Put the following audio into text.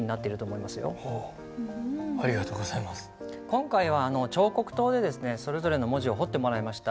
今回は彫刻刀でそれぞれの文字を彫ってもらいました。